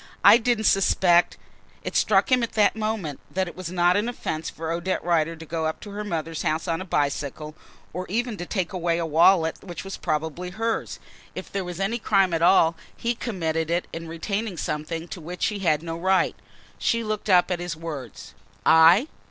"I didn't suspect " It struck him at that moment that it was not an offence for Odette Rider to go up to her mother's house on a bicycle, or even to take away a wallet which was probably hers. If there was any crime at all, he had committed it in retaining something to which he had no right. She looked up at his words. "I?